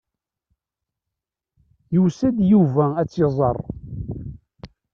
Yusa-d Yuba ad tt-iẓer.